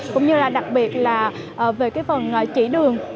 cũng như là đặc biệt là về cái phần chỉ đường